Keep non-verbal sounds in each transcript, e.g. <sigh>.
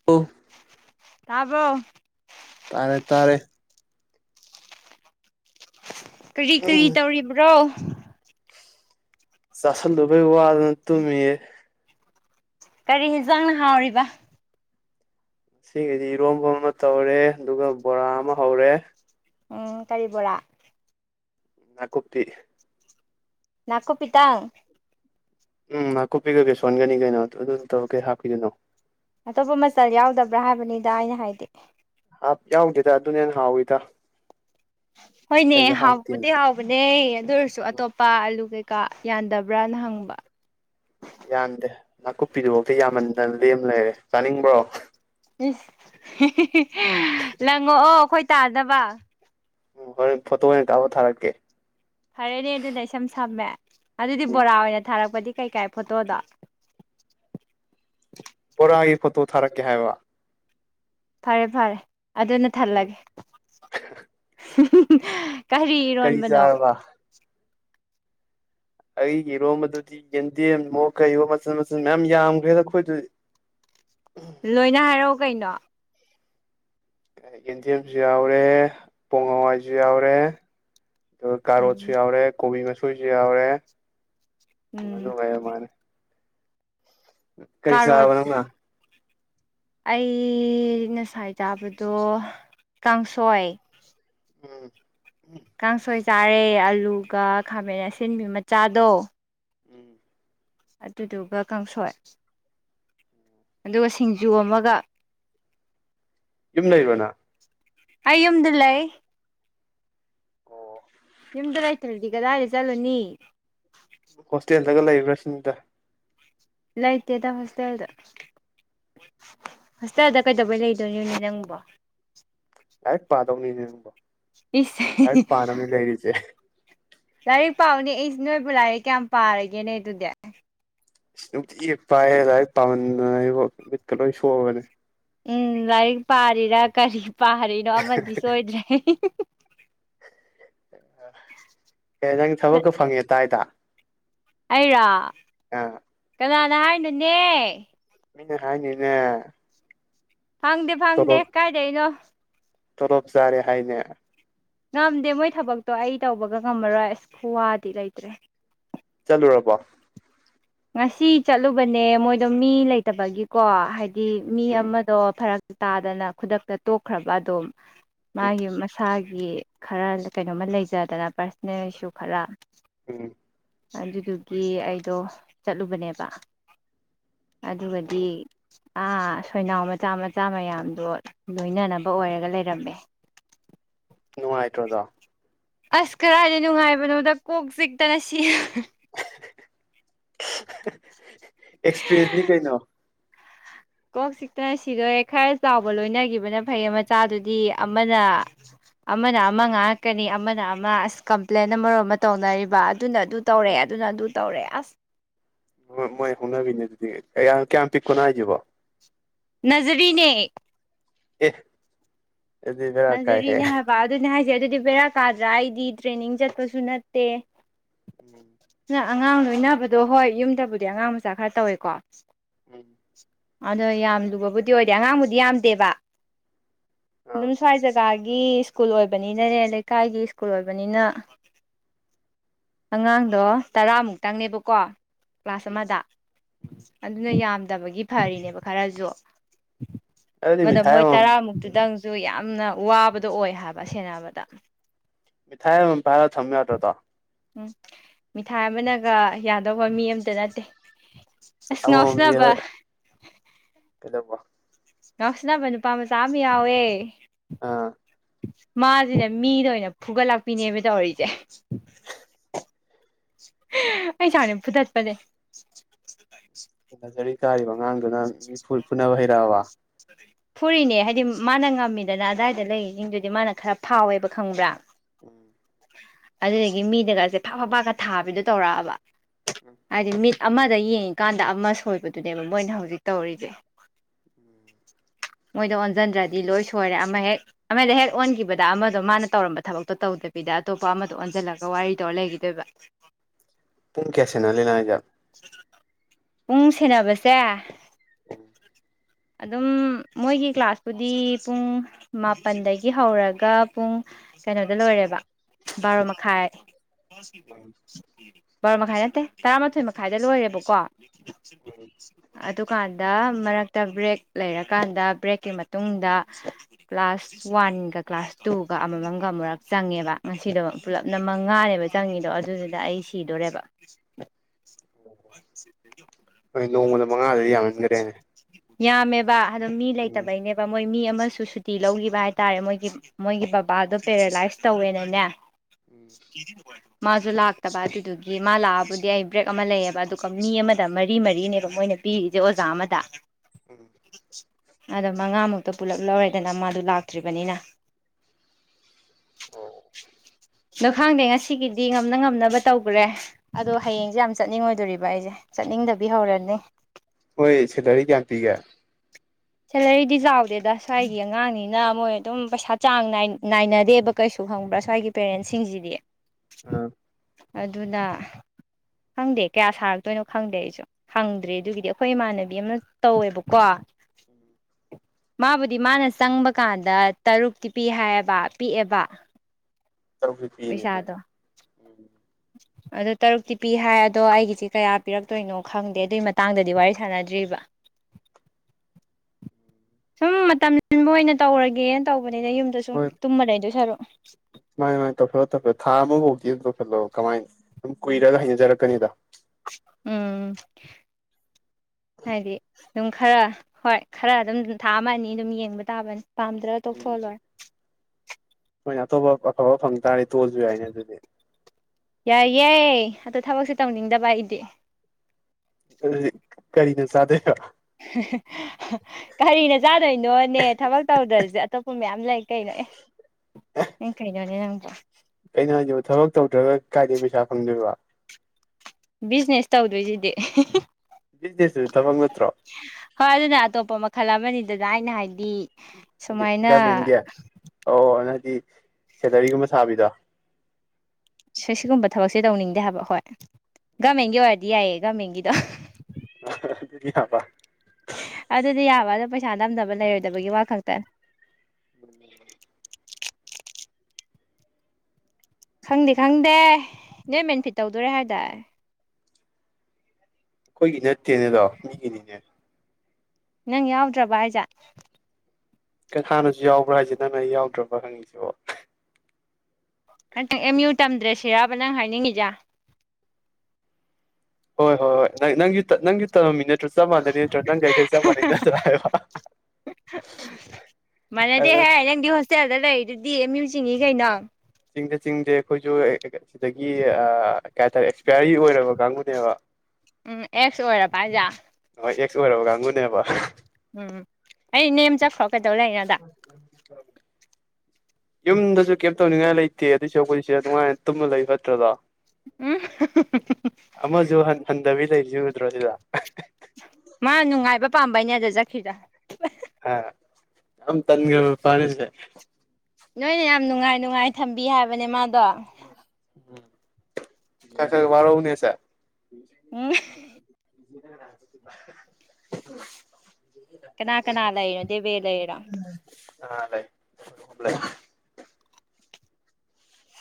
<unintelligible> ꯇꯥꯕ꯭ꯔꯣ ꯇꯥꯔꯦ ꯇꯥꯔꯦ ꯀꯔꯤ ꯀꯔꯤ ꯎꯝ ꯇꯧꯔꯤꯕ꯭ꯔꯣ ꯆꯥꯁꯜꯂꯨꯕꯩ ꯋꯥꯗꯅ ꯇꯨꯝꯃꯤꯌꯦ ꯀꯔꯤ ꯍꯦꯟꯖꯥꯡꯅ ꯍꯥꯎꯔꯤꯕ ꯉꯁꯤꯒꯤꯗꯤ ꯏꯔꯣꯝꯕ ꯑꯃ ꯇꯧꯔꯦ ꯑꯗꯨꯒ ꯕꯣꯔꯥ ꯑꯃ ꯍꯧꯔꯦ ꯎꯝ ꯀꯔꯤ ꯕꯣꯔꯥ ꯅꯥꯀꯨꯞꯄꯤ ꯅꯥꯀꯨꯄꯤꯇꯪ ꯎꯝ ꯅꯥꯀꯨꯞꯄꯤꯒ ꯕꯦꯁꯣꯟꯒꯅꯤ ꯀꯩꯅꯣ ꯑꯗꯨ ꯑꯗꯨ ꯅꯠꯇꯕ ꯀꯩ ꯍꯥꯞꯈꯤꯗꯣꯏꯅꯣ ꯑꯇꯣꯞꯄ ꯃꯆꯜ ꯌꯥꯎꯗꯕ꯭ꯔꯥ ꯍꯥꯏꯕꯅꯤꯗ ꯑꯩꯅ ꯍꯥꯏꯗꯤ ꯍꯥꯞ ꯌꯥꯎꯗꯦꯗ ꯑꯗꯨꯅ ꯍꯦꯟꯅ ꯍꯥꯎꯋꯤꯗ ꯍꯣꯏꯅꯦ ꯑꯇꯩꯗꯣ ꯍꯥꯎꯇꯦꯅ ꯍꯥꯎꯕꯨꯗꯤ ꯍꯥꯎꯕꯅꯦ ꯑꯗꯨ ꯑꯣꯏꯔꯁꯨ ꯎꯝ ꯑꯇꯣꯞ ꯄꯥ ꯑꯂꯨ ꯀꯩꯀꯥ ꯌꯥꯟꯗꯕ꯭ꯔꯥꯅ ꯍꯪꯕ ꯌꯥꯟꯗꯦ ꯅꯥꯀꯨꯞꯄꯤꯗꯨꯐꯥꯎꯗ ꯌꯥꯝꯃꯟꯗꯅ ꯂꯦꯝ ꯂꯩꯔꯦ ꯆꯥꯅꯤꯡꯕ꯭ꯔꯣ ꯍꯦ ꯍꯦ ꯍꯦ ꯂꯪꯉꯛꯑꯣ ꯑꯈꯣꯏ ꯇꯥꯅꯕ ꯎꯝ ꯍꯣꯔꯦꯟ ꯐꯣꯇꯣ ꯑꯣꯏꯅ ꯀꯥꯞꯄ ꯊꯥꯔꯛꯀꯦ ꯐꯔꯦꯅꯦ ꯑꯗꯨꯅ ꯏꯁꯝ ꯁꯝꯃꯦ ꯑꯗꯨꯗꯤ ꯎꯝ ꯕꯣꯔꯥ ꯑꯣꯏꯅ ꯊꯥꯔꯛꯄꯗꯤ ꯀꯩꯀꯥꯏ ꯐꯣꯇꯣꯗꯣ ꯕꯣꯔꯥꯒꯤ ꯐꯣꯇꯣ ꯊꯥꯔꯛꯀꯦ ꯍꯥꯏꯕ ꯐꯔꯦ ꯐꯔꯦ ꯑꯗꯨꯅ ꯎꯝ ꯊꯜꯂꯒꯦ ꯍꯤ ꯍꯤ ꯍꯤ ꯀꯔꯤ ꯏꯔꯣꯟꯕꯅꯣ ꯑꯩꯒꯤ ꯏꯔꯣꯝꯕꯗꯨꯗꯤ ꯌꯦꯟꯗꯦꯝꯃꯣ ꯀꯩꯌꯣ ꯃꯆꯜ ꯃꯆꯜ ꯃꯌꯥꯝ ꯌꯥꯝꯈ꯭ꯔꯦꯗ ꯑꯩꯈꯣꯏꯗꯨꯗꯤ ꯂꯣꯏꯅ ꯍꯥꯏꯔꯛꯑꯣ ꯀꯩꯅꯣ꯫ ꯑꯩꯀꯦꯟꯊꯦꯝꯁꯨ ꯌꯥꯎꯔꯦ ꯕꯣꯡ ꯍꯋꯥꯏꯁꯨ ꯌꯥꯎꯔꯦ꯫ ꯑꯗꯨꯒ ꯎꯝ ꯀꯥꯔꯣꯠꯁꯨ ꯌꯥꯎꯔꯦ ꯀꯣꯕꯤ ꯃꯆꯣꯏꯁꯨ ꯌꯥꯎꯔꯦ ꯎꯝ ꯑꯗꯨ ꯉꯩ ꯃꯥꯜꯂꯦ꯫ ꯀꯥꯔꫭꯠ꯫ ꯆꯥꯕ ꯅꯪꯅ ꯑꯩ ꯉꯁꯥꯏ ꯆꯥꯕꯗꯣ ꯀꯥꯡꯁꯣꯏ꯫ ꯎꯝ ꯎꯝ ꯀꯥꯡꯁꯣꯏ ꯆꯥꯔꯦ ꯑꯂꯨꯒ ꯈꯥꯃꯦꯟ ꯑꯁꯤꯟꯕꯤ ꯃꯆꯥꯗꯣ꯫ ꯎꯝ ꯑꯗꯨꯗꯨꯒ ꯀꯥꯡꯁꯣꯏ꯫ ꯑꯗꯨꯒ ꯁꯤꯡꯖꯨ ꯑꯃꯒ꯫ ꯌꯨꯝ ꯂꯩꯕ꯭ꯔ ꯅ꯫ ꯑꯩ ꯌꯨꯝꯗ ꯂ ꯩ꯫ ꯑꯣ ꯌꯨꯝꯗ ꯂꯩꯏꯇ꯭ꯔꯗꯤ ꯀꯗꯥꯏꯗ ꯆꯠꯂꯨꯅꯤ꯫ ꯍꯣꯁꯇꯦꯜꯗꯒ ꯂꯩꯕ꯭ꯔꯥ ꯁꯤꯅꯤꯗ꯫ ꯂꯩꯇꯦꯗ ꯍꯣꯁꯇꯦꯜꯗ꯫ ꯍꯣꯁꯇꯥꯜꯗ ꯀꯩꯗꯧꯕꯩ ꯂꯩꯗꯣꯏꯅꯣꯅꯦ ꯅꯪꯕꯣ꯫ ꯂꯥꯏꯔꯤꯛ ꯄꯥꯗꯧꯅꯤꯅꯦ ꯏꯁ ꯂꯥꯏꯔꯤꯛ ꯄꯥꯅꯕꯅꯦ ꯂꯩꯔꯤꯁꯦ꯫ ꯂꯥꯏꯔꯤꯛ ꯄꯥꯕꯅꯦ ꯑꯩꯁ ꯅꯣꯏꯕꯨ ꯂꯥꯏꯔꯤꯛ ꯀ꯭ꯌꯥꯝ ꯄꯥꯔꯒꯦꯅꯦ ꯑꯗꯨꯗꯤ꯫ ꯑꯁ ꯅꯨꯡꯇꯤ ꯄꯥꯑꯦ ꯂꯥꯏꯔꯤꯛ ꯄꯥꯃꯟꯗꯅ ꯏꯕꯣ ꯃꯤꯠꯀ ꯂꯣꯏ ꯁꯣꯛꯑꯕꯅꯦ꯫ ꯎꯝ ꯂꯥꯏꯔꯤꯛ ꯄꯥꯔꯤꯔꯥ ꯀꯔꯤ ꯄꯥꯔꯤꯅꯣ ꯑꯃꯗꯤ ꯁꯣꯏꯗ꯭ꯔꯦ <unintelligible> ꯑꯦ ꯅꯪ ꯊꯕꯛꯀ ꯐꯪꯉꯦ ꯇꯥꯏꯗ꯫ ꯑꯩꯔꯣ ꯑ ꯀꯅꯥꯅ ꯍꯥꯏꯅꯣꯅꯦ꯫ ꯃꯤꯅ ꯍꯥꯏꯅꯤꯅꯦ꯫ ꯐꯪꯗꯦ-ꯐꯪꯗꯦ ꯀꯥꯏꯗꯩꯅꯣ꯫ ꯇꫭꯜꯂꯣꯞ ꯆꯥꯔꯦ ꯍꯥꯏꯅꯦ꯫ ꯉꯝꯗꯦ ꯃꯣꯏ ꯊꯕꯛꯇꯣ ꯑꯩ ꯇꯧꯕꯒ ꯉꯝꯃꯔꯣꯏ ꯑꯁ ꯈꯨꯋꯥꯗꯤ ꯂꯩꯇ꯭ꯔꯦ꯫ ꯆꯠꯂꯨꯔꯕꯣ꯫ ꯉꯁꯤ ꯆꯠꯂꯨꯕꯅꯦ ꯃꯣꯏꯗꯣ ꯃꯤ ꯂꯩꯇꯕꯒꯤꯀꯣ ꯍꯥꯏꯗꯤ ꯃꯤ ꯎꯝ ꯑꯃꯗꯣ ꯐꯔꯛ ꯇꯥꯗꯅ ꯈꯨꯗꯛꯇ ꯇꯣꯛꯈ꯭ꯔꯕ ꯑꯗꯨꯝ ꯎꯝ ꯃꯥꯒꯤ ꯃꯁꯥꯒꯤ ꯈꯔ ꯀꯩꯅꯣꯝꯃ ꯂꯩꯖꯗꯅ ꯄꯥꯔꯁꯅꯦꯜ ꯏꯁꯨ ꯈꯔ꯫ ꯎꯝ ꯑꯗꯨꯗꯨꯒꯤ ꯑꯩꯗꯣ ꯆꯠꯂꯨꯕꯅꯦꯕ ꯑꯣ ꯑꯗꯨꯒꯗꯤ꯫ ꯑꯥ ꯁꯣꯏꯅꯥꯎ ꯃꯆꯥ-ꯃꯆꯥ ꯃꯌꯥꯝꯗꯣ ꯂꯣꯏꯅꯅꯕ ꯑꯣꯏꯔꯒ ꯂꯩꯔꯝꯃꯦ꯫ ꯅꯨꯡꯉꯥꯏꯇ꯭ꯔꯣ ꯑꯗꯣ꯫ ꯑꯁ ꯀꯔꯥꯏꯗ ꯅꯨꯡꯉꯥꯏꯕꯅꯣꯗ ꯀꯣꯛ ꯆꯤꯛꯇꯅ ꯁꯤꯗꫭ <inaudible> ꯑꯦꯛꯁꯄꯤꯔꯤꯌꯦꯟꯁꯅꯤ ꯀꯩꯅꯣ꯫ ꯀꯣꯛ ꯆꯤꯛꯇꯅ ꯁꯤꯗꯣꯏꯔꯦ ꯈꯔ ꯆꯥꯎꯕ ꯂꯣꯏꯅꯈꯤꯕꯅ ꯐꯩꯌꯦ ꯃꯆꯥꯗꯨꯗꯤ ꯑꯃꯅ ꯑꯃꯅ ꯑꯃ ꯉꯥꯡꯉꯀꯅꯤ ꯑꯃꯅ ꯑꯃ ꯑꯁ ꯀꯝꯄ꯭ꯂꯦꯟꯅ ꯃꯔꯣꯝ ꯑꯃ ꯇꯧꯅꯔꯤꯕ꯫ ꯑꯗꯨꯅ ꯑꯗꯨ ꯇꯧꯔꯛꯑꯦ ꯑꯗꯨꯅ ꯑꯗꯨ ꯇꯧꯔꯛꯑꯦ ꯑꯁ꯫ ꯍꯣꯏ ꯃꯣꯏ ꯍꯣꯅꯕꯤꯅꯦ ꯑꯗꯨꯗꯤ ꯀꯌꯥ ꯀꯌꯥꯝ ꯄꯤꯛꯄꯣꯅ ꯍꯥꯏꯁꯤꯕꯣ꯫ ꯅꯔꯖꯔꯤꯅꯦ꯫ ꯑꯦ꯫ ꯑꯗꯨꯗꯤ ꯕꯦꯔꯥ ꯀꯥꯏꯍꯦ ꯅꯖꯔꯤꯅꯦ ꯍꯥꯏꯕ ꯑꯗꯨꯅꯦ ꯍꯥꯏꯁꯦ ꯑꯗꯨꯗꯤ ꯕꯦꯔꯥ ꯀꯥꯗ꯭ꯔꯥ ꯑꯩꯗꯤ ꯇ꯭ꯔꯦꯅꯤꯡ ꯆꯠꯄꯁꯨ ꯅꯠꯇꯦ꯫ ꯎꯝ ꯅ ꯑꯉꯥꯡ ꯂꯣꯏꯅꯕꯗꯣ ꯍꯣꯏ ꯌꯨꯝꯗꯕꯨꯗꯤ ꯑꯉꯥꯡ ꯃꯆꯥ ꯈꯔ ꯇꯧꯋꯦꯀꯣ꯫ ꯎꯝ ꯑꯗꯣ ꯌꯥꯝ ꯂꯨꯕꯕꯨꯗꯤ ꯑꯣꯏꯗꯦ ꯑꯉꯥꯡꯕꯨꯗꯤ ꯌꯥꯝꯗꯦꯕ ꯑꯥ ꯑꯗꯨꯝ ꯁ꯭ꯋꯥꯏ ꯖꯒꯥꯒꯤ ꯁ꯭ꯀꯨꯜ ꯑꯣꯏꯕꯅꯤꯅꯅꯦ ꯂꯩꯀꯥꯏꯒꯤ ꯁ꯭ꯀꯨꯜ ꯑꯣꯏꯕꯅꯤꯅ ꯑꯉꯥꯡꯗꯣ ꯇꯔꯥꯃꯨꯛꯇꯪꯅꯦꯕꯀꯣ ꯀ꯭ꯂꯥꯁ ꯑꯃꯗ ꯑꯗꯨꯅ ꯌꯥꯝꯗꯕꯒꯤ ꯐꯔꯤꯅꯦꯕ ꯈꯔꯖꯨ ꯑꯗꯨꯗꯤ ꯃꯗ ꯃꯤꯊꯥꯏ ꯃꯣꯏ ꯑꯃꯃꯝ ꯇꯔꯥꯃꯨꯛꯇꯪꯗꯨꯁꯨ ꯌꯥꯝꯅ ꯋꯥꯕꯗꯣ ꯑꯣꯏ ꯍꯥꯏꯕ ꯁꯦꯟꯅꯕꯗ ꯃꯤꯊꯥꯏ ꯑꯃꯝꯃꯝ ꯄꯥꯏꯍꯜ ꯊꯝꯌꯥꯗ꯭ꯔꯥ ꯑꯗꯣ ꯎꯝ ꯃꯤꯊꯥꯏ ꯑꯃꯅꯒ ꯌꯥꯗꯧꯕ ꯃꯤ ꯑꯝꯇ ꯅꯠꯇꯦ ꯑꯁ ꯑꯃꯃꯝ ꯉꯥꯎꯁꯥꯟꯅꯕ ꯌꯦꯜꯂ ꯀꯩꯗꯧꯕ ꯉꯥꯎꯁꯟꯅꯕ ꯅꯨꯄꯥ ꯃꯆꯥ ꯑꯃ ꯌꯥꯎꯋꯦ ꯑꯥ ꯃꯥꯖꯤꯅ ꯃꯤꯗ ꯑꯣꯏꯅ ꯐꯨꯒꯠꯂꯛꯄꯤꯅꯦꯕ ꯇꯧꯔꯤꯖꯦ ꯑꯩ ꯁꯥꯎꯅꯤꯡ ꯐꯨꯗꯠ ꯄꯥꯅꯦ ꯅꯖꯔꯤ ꯀꯥꯔꯤꯕ ꯑꯉꯥꯡꯗꯨꯅ ꯃꯤ ꯐꯨ ꯐꯨꯅꯕ ꯍꯩꯔꯛꯑꯕ ꯐꯨꯔꯤꯅꯦ ꯍꯥꯏꯗꯤ ꯃꯥꯅ ꯉꯝꯃꯤꯗꯅ ꯑꯗꯥꯏꯗ ꯂꯩꯔꯤꯖꯤꯡꯗꯨꯗꯤ ꯃꯥꯅ ꯈꯔ ꯐꯥꯎꯋꯦꯕ ꯈꯪꯕ꯭ꯔꯥ ꯎꯝ ꯑꯗꯨꯗꯒꯤ ꯃꯤꯗꯒꯖꯦ ꯐꯥꯛ ꯐꯥꯛ ꯐꯥꯛꯀ ꯊꯥꯕꯤꯗꯣ ꯇꯧꯔꯛꯑꯕ ꯍꯥꯏꯗꯤ ꯃꯤꯠ ꯑꯃꯗ ꯌꯦꯡꯉꯤꯀꯥꯟꯗ ꯑꯃ ꯁꯣꯏꯕꯗꯨꯅꯦꯕ ꯃꯣꯏꯅ ꯍꯧꯖꯤꯛ ꯇꯧꯔꯤꯖꯦ ꯎꯝ ꯃꯣꯏꯗ ꯑꯣꯟꯖꯥꯟꯗ꯭ꯔꯗꯤ ꯂꯣꯏ ꯁꯣꯏꯔꯦ ꯑꯃ ꯍꯦꯛ ꯑꯃꯗ ꯍꯦꯛ ꯑꯣꯟꯒꯤꯕꯗ ꯑꯃꯗꯣ ꯃꯥꯅ ꯇꯧꯔꯝꯕ ꯊꯕꯛꯇꯣ ꯇꯧꯗꯕꯤꯗ ꯑꯇꯣꯞꯄ ꯑꯃꯗ ꯑꯣꯟꯖꯤꯜꯂꯒ ꯋꯥꯔꯤꯇꯧꯔ ꯂꯩꯒꯤꯗꯣꯏꯕ ꯄꯨꯡꯀꯤꯌꯥ ꯁꯦꯅꯍꯜꯂꯤꯅꯣ ꯍꯥꯏꯖꯦ ꯄꯨꯡ ꯁꯦꯟꯅꯕꯁꯦ ꯎꯝ ꯑꯗꯨꯝ ꯃꯣꯏꯒꯤ ꯀ꯭ꯂꯥꯁꯄꯨꯗꯤ ꯄꯨꯡ ꯃꯥꯄꯜꯗꯒꯤ ꯍꯧꯔꯒ ꯄꯨꯡ ꯀꯩꯅꯣꯗ ꯂꯣꯏꯔꯦꯕ ꯕꯔꯣ ꯃꯈꯥꯏ ꯕꯔꯣ ꯃꯈꯥꯏ ꯅꯠꯇꯦ ꯇꯔꯥꯃꯊꯣꯏ ꯃꯛ ꯈꯥꯏꯗ ꯂꯣꯏꯔꯦꯕꯀꯣ ꯎꯝ ꯑꯗꯨꯀꯥꯟꯗ ꯃꯔꯛꯇ ꯕ꯭ꯔꯦꯛ ꯂꯩꯔꯀꯥꯟꯗ ꯕ꯭ꯔꯦꯛꯀꯤ ꯃꯇꯨꯡꯗ ꯀ꯭ꯂ꯭ꯥꯁ ꯋꯥꯟꯒ ꯀ꯭ꯂꯥꯁ ꯇꯨꯒ ꯑꯃꯃꯝꯒ ꯑꯃꯨꯔꯛ ꯆꯪꯉꯦꯕ ꯉꯁꯤꯗꯣ ꯄꯨꯂꯞꯅ ꯃꯉꯥꯅꯦꯕ ꯆꯪꯉꯤꯗꯣ ꯑꯗꯨꯗꯨꯗ ꯑꯩ ꯁꯤꯗꯣꯔꯦꯕ ꯍꯣꯏ ꯅꯣꯡꯃꯗ ꯃꯉꯥꯗꯤ ꯌꯥꯃꯟꯒ꯭ꯔꯦꯅꯦ ꯌꯥꯝꯃꯦꯕ ꯑꯗꯨ ꯃꯤ ꯂꯩꯇꯕꯩꯅꯦꯕ ꯃꯣꯏ ꯃꯤ ꯑꯃꯁꯨ ꯁꯨꯇꯤ ꯂꯧꯒꯤꯕ ꯍꯥꯏꯇꯥꯔꯦ ꯃꯣꯏꯒꯤ ꯃꯣꯏꯒꯤ ꯕꯕꯥꯗꯣ ꯄꯦꯔꯥꯂꯥꯏꯁ ꯇꯧꯋꯦꯅꯅꯦ ꯎꯝ ꯃꯥꯖꯨ ꯂꯥꯛꯇꯕ ꯑꯗꯨꯗꯨꯒꯤ ꯃꯥ ꯂꯥꯛꯑꯕꯨꯗꯤ ꯑꯩ ꯕ꯭ꯔꯦꯛ ꯑꯃ ꯂꯩꯌꯦꯕ ꯑꯗꯨꯒ ꯃꯤ ꯑꯃꯗ ꯃꯔꯤ ꯃꯔꯤꯅꯦꯕ ꯃꯣꯏꯅ ꯄꯤꯔꯤꯖꯦ ꯑꯣꯖꯥ ꯑꯃꯗ ꯑꯗꯣ ꯃꯉꯥ ꯃꯨꯛꯇꯣ ꯄꯨꯂꯞ ꯂꯧꯔꯦꯗꯅ ꯃꯥꯗꯣ ꯂꯥꯛꯇ꯭ꯔꯤꯕꯅꯤꯅ <inaudible> ꯗꯣ ꯈꯥꯡꯗꯦ ꯉꯁꯤꯒꯤꯗꯤ ꯉꯝꯅ ꯉꯝꯅꯕ ꯇꯧꯒ꯭ꯔꯦ ꯑꯗꯣ ꯍꯥꯌꯦꯡ ꯗꯤ ꯌꯥꯝ ꯆꯠꯅꯤꯡꯉꯣꯏꯗꯣꯔꯤꯕ ꯑꯩꯖꯦ ꯆꯠꯅꯤꯡꯗꯕꯤ ꯍꯧꯔꯅꯤ ꯍꯣꯏ ꯁꯦꯂꯔꯤ ꯀꯌꯥꯝ ꯄꯤꯒꯦ ꯁꯦꯂꯔꯤꯗꯤ ꯆꯥꯎꯗꯦꯗ ꯁ꯭ꯋꯥꯏꯒꯤ ꯑꯉꯥꯡꯅꯤꯅ ꯃꯣꯏ ꯑꯗꯨꯝ ꯄꯩꯁꯥ ꯆꯥꯡ ꯅꯥꯏ ꯅꯥꯏꯅꯗꯦꯕ ꯀꯩꯁꯨ ꯈꯪꯕ꯭ꯔꯥ ꯁ꯭ꯋꯥꯏꯒꯤ ꯄꯦꯔꯦꯟꯁꯤꯡꯁꯤꯗꯤ ꯑꯥ ꯑꯗꯨꯅ ꯈꯪꯗꯦ ꯀꯌꯥ ꯁꯥꯔꯛꯇꯣꯏꯅꯣ ꯈꯪꯗꯦ ꯑꯩꯁꯨ ꯍꯪꯗ꯭ꯔꯦ ꯑꯗꯨꯒꯤꯗꯤ ꯑꯩꯈꯣꯏ ꯏꯃꯥꯟꯅꯕꯤ ꯑꯃꯅ ꯇꯧꯋꯦꯕꯀꯣ ꯃꯥꯕꯨꯗꯤ ꯃꯥꯅ ꯆꯪꯕ ꯀꯥꯟꯗ ꯇꯔꯨꯛꯇꯤ ꯄꯤ ꯍꯥꯏꯌꯦꯕ ꯄꯤꯛꯑꯦꯕ ꯄꯩꯁꯥꯗꯣ ꯎꯝ <unintelligible> ꯑꯗꯣ ꯇꯔꯨꯛꯇꯤ ꯄꯤ ꯍꯥꯏ ꯑꯗꯣ ꯑꯩꯒꯤꯖꯤ ꯀꯌꯥ ꯄꯤꯔꯛꯇꯣꯏꯅꯣ ꯈꯪꯗꯦ ꯑꯗꯨꯏ ꯃꯇꯥꯡꯗꯗꯤ ꯋꯥꯔꯤ ꯁꯥꯟꯅꯗ꯭ꯔꯤꯕ ꯁꯨꯝ ꯃꯇꯝ ꯂꯦꯟꯕ ꯑꯣꯏꯅ ꯇꯧꯔꯒꯦꯅ ꯇꯧꯕꯅꯤꯗ ꯌꯨꯝꯗ ꯁꯨꯝ ꯍꯣꯏ ꯇꯨꯝꯃ ꯂꯩꯗꯣꯏ ꯁꯔꯨꯛ ꯃꯥꯅꯤ ꯃꯥꯅꯤ ꯇꯧꯁꯜꯂꫭ ꯇꯧꯁꯜꯂꫭ ꯊꯥ ꯑꯃꯕꯨꯛꯇꯤ ꯑꯗꯨꯝ ꯇꯧꯁꯤꯜꯂꫭ ꯀꯃꯥꯏ ꯑꯗꯨꯝ ꯀꯨꯏꯔꯒ ꯍꯩꯅꯖꯔꯛꯀꯅꯤꯗ ꯎꯝ ꯍꯥꯏꯗꯤ ꯑꯗꯨꯝ ꯈꯔ ꯍꯣꯏ ꯈꯔ ꯑꯗꯨꯝ ꯊꯥ ꯑꯃ ꯑꯅꯤ ꯑꯗꯨꯝ ꯌꯦꯡꯕ ꯇꯥꯕꯅꯤ ꯄꯥꯝꯗ꯭ꯔꯥ ꯇꯣꯛꯊꯣꯛꯑ ꯂꯣꯏꯔꯦ ꯍꫭꯏꯅꯦ ꯑꯇꯣꯞꯄ ꯑꯐꯕ ꯐꯪ ꯇꯥꯔꯦ ꯇꯣꯛꯑꯖꯨ ꯌꯥꯏꯅꯦ ꯑꯗꯨꯗꯤ ꯌꯥꯏꯌꯦ ꯑꯗꯣ ꯊꯕꯛꯁꯦ ꯇꯧꯅꯤꯡꯗꯕ ꯑꯩꯗꯤ ꯑꯗꯨꯗꯤ ꯀꯔꯤꯅ ꯆꯥꯗꯣꯏꯕ ꯍ <inaudible> ꯀꯔꯤꯅ ꯆꯥꯗꯣꯏꯅꯣꯅꯦ ꯊꯕꯛ ꯇꯧꯗ꯭ꯔꯁꯦ ꯑꯇꯣꯞꯄ ꯃꯌꯥꯝ ꯂꯩ ꯀꯩꯅꯣ ꯑꯦ ꯑꯦ ꯀꯩꯅꯣꯅꯦ ꯅꯪꯕꫭ ꯀꯩꯅꫭ ꯍꯥꯏꯖꯤꯕ ꯊꯕꯛ ꯇꯧꯗ꯭ꯔꯒ ꯀꯥꯏꯗꯩ ꯄꯩꯁꯥ ꯐꯪꯗꯣꯏꯕ ꯕꯤꯖꯤꯅꯦꯁ ꯇꯧꯗꯣꯏꯖꯤꯗꯤ ꯕꯤꯖꯤꯅꯦꯁ ꯇꯨꯗꯤ ꯊꯕꯛ ꯅꯠꯇ꯭ꯔꯣ ꯍꯣꯏ ꯑꯗꯨꯅ ꯑꯇꯣꯞꯄ ꯃꯈꯜ ꯑꯃꯅꯤꯗꯅ ꯑꯩꯅ ꯍꯥꯏꯗꯤ ꯁꯨꯃꯥꯏꯅ ꯀꯌꯥꯥ ꯃꯦꯟꯒꯦ ꯑꯣ ꯑꯗꯨꯗꯤ ꯁꯦꯂꯔꯤꯒꯨꯝꯕ ꯁꯥꯕꯤꯗꯣ ꯁꯦ ꯁꯤꯒꯨꯝꯕ ꯊꯕꯛꯁꯦ ꯇꯧꯅꯤꯡꯗꯦ ꯍꯥꯏꯕ ꯍꯣꯏ ꯒꯃꯦꯟꯒꯤ ꯑꯣꯏꯔꯗꯤ ꯌꯥꯏꯌꯦ ꯒꯃꯦꯟꯒꯤꯗꯣ ꯑꯗꯨꯗꯤ ꯋꯥꯕ ꯑꯗꯨꯗꯤ ꯌꯥꯕ ꯑꯗꯣ ꯄꯩꯁꯥ ꯅꯝꯅꯕ ꯂꯩꯔꯣꯏꯗꯕꯒꯤ ꯋꯥ ꯈꯛꯇ ꯎꯝ ꯈꯪꯗꯦ ꯈꯪꯗꯦ ꯅꯣꯏ ꯃꯦꯟꯐꯤꯠ ꯇꯧꯗꯣꯔꯦ ꯍꯥꯏꯗꯥꯏ ꯑꯩꯈꯣꯏꯒꯤ ꯅꯠꯇꯦꯅꯦ ꯑꯗꯣ ꯃꯤꯒꯤꯅꯤꯅꯦ ꯅꯪ ꯌꯥꯎꯗ꯭ꯔꯕ ꯍꯥꯏꯖꯦ ꯀꯪ ꯍꯥꯟꯅꯖꯨ ꯌꯥꯎꯕ꯭ꯔꯥ ꯍꯥꯏꯁꯦ ꯅꯪ ꯑꯩ ꯌꯥꯎꯗ꯭ꯔꯕꯥ ꯍꯪꯉꯤꯁꯤꯕꯣ ꯅꯪ ꯑꯦꯝ ꯌꯨ ꯇꯝꯗ꯭ꯔꯦ ꯁꯤꯔꯥꯕ ꯅꯪ ꯍꯥꯏꯅꯤꯡꯉꯤꯖꯦ ꯍꯣ ꯍꯣꯏ ꯍꯣꯏ ꯅꯪꯖꯨ ꯅꯪꯖꯨ ꯇꯝꯃꯤꯅꯠ꯭ꯇꯔꫭ ꯆꯞ ꯃꯥꯟꯅꯔꯤ ꯅꯠꯇꯔꫭ ꯅꯪꯒ ꯑꯎꯒ ꯆꯞ ꯃꯥꯟꯅꯩ ꯅꯠꯇꯔꫭ ꯍꯥꯏꯕ ꯃꯥꯅꯦꯗꯦ ꯑꯗꯨ ꯍꯦ ꯆꯔꯗ ꯂꯩꯗꯨꯗꯤ ꯑꯦꯝ ꯃꯌꯨ ꯆꯤꯡꯉꯤ ꯀꯩꯅꯣ ꯆꯤꯡꯗꯦ ꯆꯤꯡꯗꯦ ꯑꯩꯈꯣꯏꯖꯨ ꯁꯤꯗꯒꯤ ꯀꯩꯍꯥꯏꯇꯥꯔꯦ ꯑꯦꯛꯁꯄꯌꯔꯤ ꯑꯣꯏꯔꯕ ꯀꯥꯡꯕꯨꯅꯦꯕ ꯎꯝ ꯑꯦꯛꯁ ꯑꯣꯏꯔꯕꫭ ꯍꯥꯏꯖꯦ ꯍꯣꯏ ꯑꯦꯛꯁ ꯑꯣꯏꯔꯕ ꯀꯥꯡꯕꯨꯨꯅꯦꯕ ꯎꯝ ꯍꯩ ꯅꯌꯨꯝ ꯆꯠꯈ꯭ꯔꯣ ꯀꯩꯗꯧ ꯂꯩꯅꯣ ꯑꯗ ꯌꯨꯝꯗꯁꯨ ꯀꯩꯝ ꯇꯧꯅꯤꯡꯉꯥꯏ ꯂꯩꯇꯦ ꯑꯗꯨꯏꯁꯔꯨꯛꯄꯨꯗꯤ ꯁꯤꯗ ꯅꯨꯡꯉꯥꯏꯅ ꯇꯨꯝꯃ ꯂꯩ ꯐꯠꯇꯔꫭ ꯑꯗꫭ ꯎꯝ ꯑꯃꯁꯨ ꯍꯁ ꯍꯟꯗꯕꯤ ꯂꯩꯁꯤꯁꯦ ꯎꯗ꯭ꯔꯣ ꯁꯤꯗ ꯃꯥ ꯅꯨꯡꯉꯥꯏꯕ ꯄꯥꯝꯕꯩꯅꯦ ꯑꯗ ꯆꯠꯈꯤꯗꯣ ꯍꯥ ꯑꯝꯇꯪꯒꯤꯔꯣ ꯐꯥꯔꯤꯁꯦ ꯅꯣꯏꯅ ꯌꯥꯝ ꯅꯨꯡꯉꯥꯏ ꯅꯨꯡꯉꯥꯏ ꯊꯝꯕꯤ ꯍꯥꯏꯕꯅꯦ ꯃꯥꯗꯣ ꯈꯔ ꯈꯔ ꯋꯥꯔꯛꯎꯅꯦ ꯑꯁꯦ ꯎꯝ <inaudible> ꯀꯅꯥ ꯀꯅꯥ ꯂꯩꯔꯤꯅꯣ ꯗꯦꯕꯦ ꯂꯩꯔꯤꯔꯣ ꯑꯥ ꯂꯩ ꯂꯩ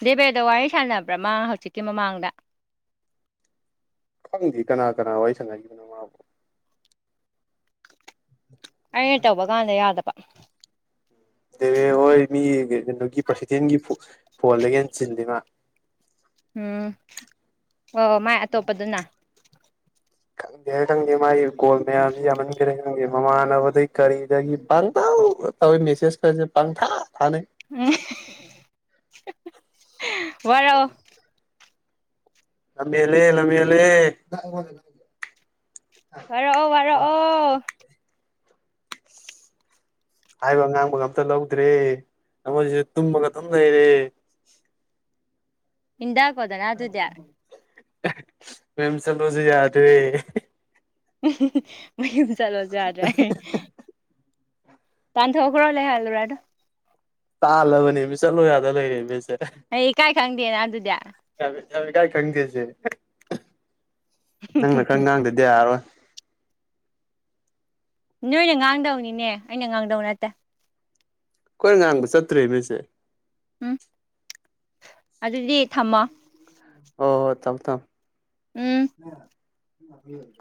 ꯗꯦꯕꯦꯗ ꯋꯥꯔꯤ ꯁꯥꯟꯅꯕ꯭ꯔ ꯃꯥ ꯍꯧꯖꯤꯛꯀꯤ ꯃꯃꯥꯡꯗ ꯈꯪꯗꯦ ꯀꯅꯥ ꯀꯅꯥ ꯋꯥꯔꯤ ꯁꯥꯟꯅꯈꯤꯕꯅꯣ ꯃꯥꯕꯨ ꯑꯩꯅ ꯇꯧꯕ ꯀꯥꯟꯗ ꯌꯥꯗꯕ ꯗꯦꯕꯦ ꯍꯣꯏ ꯃꯤ ꯀꯩꯅꯣꯒꯤ ꯄ꯭ꯔꯁꯤꯗꯦꯟꯒꯤ ꯐꯣ ꯐꯣꯟꯗꯒꯤ ꯍꯦꯟꯅ ꯆꯤꯟꯗꯦꯃꯥ ꯎꯝ ꯑꯣ ꯃꯥꯏ ꯑꯇꯣꯞꯄꯗꯨꯅ ꯈꯪꯗꯦ ꯈꯪꯗꯦ ꯃꯥꯒꯤ ꯀꯣꯜ ꯃꯌꯥꯝꯁꯤ ꯌꯥꯝꯃꯟꯈꯔꯦ ꯈꯪꯗꯦ ꯃꯃꯥꯟꯅꯕꯗꯩ ꯀꯔꯤꯗꯒꯤ ꯄꯪꯇꯧꯗ ꯇꯧꯋꯦ ꯃꯦꯁꯦꯖ ꯀꯥꯁꯦ ꯄꯪꯊꯥ ꯊꯥꯅꯩ ꯎꯝ ꯋꯥꯔꯛꯑꯣ ꯂꯝ ꯍꯦꯜꯂꯦ ꯂꯝ ꯍꯦꯜꯂꯦ ꯋꯥꯔꯛꯑꯣ ꯋꯥꯔꯛꯑꯣ ꯍꯥꯏꯕ ꯉꯥꯡꯕꯒ ꯑꯝꯇ ꯂꯧꯗ꯭ꯔꯦ ꯑꯃꯁꯤꯁꯨ ꯇꯨꯝꯃꯒ ꯑꯗꯨꯝ ꯂꯩꯔꯦ ꯏꯟꯗꯀꯣꯗꯅ ꯑꯗꯨꯗꯤ ꯃꯌꯨꯝ ꯆꯠꯂꯣꯁꯨ ꯌꯥꯗꯦ ꯃꯌꯨꯝ ꯆꯠꯂꯣꯁꯨ ꯌꯥꯗ꯭ꯔꯦ ꯍꯥꯏ ꯇꯥꯟꯊꯣꯛꯒ꯭ꯔꯣ ꯂꯩꯍꯜꯂꯨꯔꯅꯨ ꯇꯥꯜꯂꯕꯅꯦꯃꯤ ꯆꯠꯂꯣ ꯌꯥꯗ ꯂꯩꯔꯦꯃꯤ ꯑꯁꯦ ꯑꯩ ꯏꯀꯥꯏ ꯈꯪꯗꯦꯅ ꯑꯗꯨꯗꯤ ꯌꯥꯝ ꯌꯥꯝ ꯏꯀꯥꯏ ꯈꯪꯗꯦ ꯁꯦ ꯅꯪꯅ ꯈꯔ ꯉꯥꯡꯗ꯭ꯔꯗꯤ ꯌꯥꯔꯔꯣꯏ ꯅꯣꯏꯅ ꯉꯥꯡꯗꯧꯅꯤꯅꯦ ꯑꯩꯅ ꯉꯥꯡꯗꯧ ꯅꯠꯇꯦ ꯑꯩꯈꯣꯏꯅ ꯉꯥꯡꯕ ꯆꯠꯇ꯭ꯔꯦꯃꯤ ꯑꯁꯦ ꯎꯝ ꯑꯗꯨꯗꯤ ꯊꯝꯃꯣ ꯑꯣ ꯍꯣ ꯊꯝ ꯊꯝ ꯎꯝ <unintelligible>